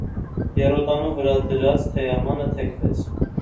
Եռոտանու վրա դրած թեյամանը թեքվեց: